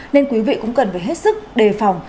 nên quý vị cũng cần phải hết sức đề phòng